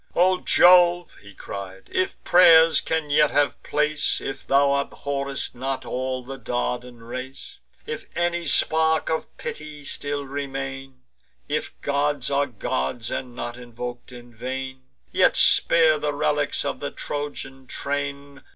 "O Jove," he cried, "if pray'rs can yet have place; If thou abhorr'st not all the Dardan race; If any spark of pity still remain; If gods are gods, and not invok'd in vain; Yet spare the relics of the Trojan train!